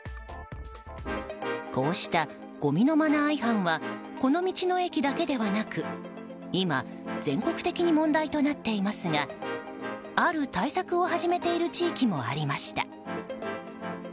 こうした、ごみのマナー違反はこの道の駅だけではなく今、全国的に問題となっていますがある対策を始めている地域もありました。